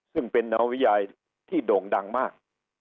ซึ่งเป็นนวิยายที่โด่งดังมาก